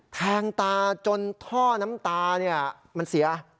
แทงตาจนท่อน้ำตาเนี่ยมันเสีย